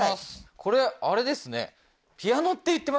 これあれですね